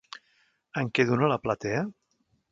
En queda una a la platea?